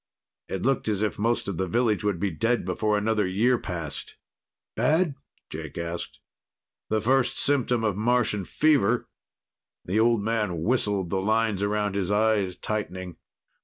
It looked as if most of the village would be dead before another year passed. "Bad?" Jake asked. "The first symptom of Martian fever." The old man whistled, the lines around his eyes tightening.